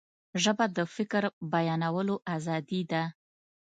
ژبه د فکر بیانولو آزادي ده